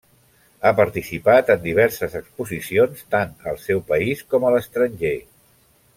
Ha participat en diverses exposicions tant al seu país com a l'estranger.